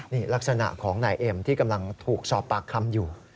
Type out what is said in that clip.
นี่ลักษณะของนายเอ็มที่กำลังถูกสอบปากคำอยู่